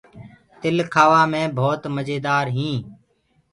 تل کآوآ مي ڀوت مجيدآر هوندآ هينٚ۔